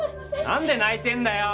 なんで泣いてんだよ？